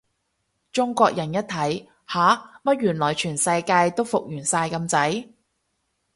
中國人一睇，吓？乜原來全世界都復原晒咁滯？